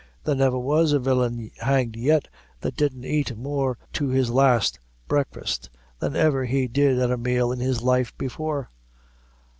There never was a villain hanged yet that didn't ait more to his last breakfast than ever he did at a meal in his life before.